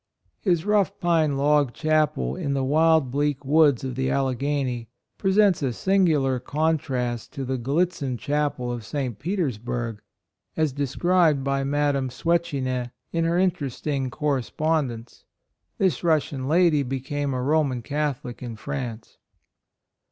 His rough pine log chapel in the wild bleak woods of the Alleghany, presents a singular contrast to the Gallitzin Chapel of St. Petersburg, 54 MISSIONARY CAREER, as described by Madame Swetchine, in her interesting correspondence. This Russian lady became a Roman Catholic in France.